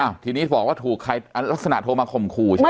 ทีนี้บอกว่าถูกใครลักษณะโทรมาข่มขู่ใช่ไหม